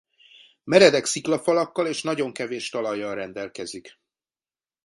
Meredek sziklafalakkal és nagyon kevés talajjal rendelkezik.